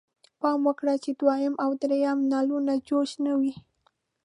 پام وکړئ چې دویم او دریم نلونه جوش نه وي.